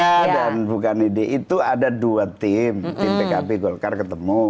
bukan ide saya dan bukan ide itu ada dua tim tim pkb golkar ketemu